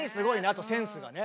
あとセンスがね。